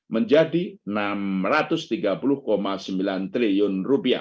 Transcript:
menjadi rp enam ratus tiga puluh sembilan triliun